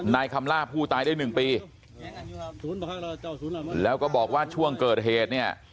คำล่าผู้ตายได้หนึ่งปีแล้วก็บอกว่าช่วงเกิดเหตุเนี่ย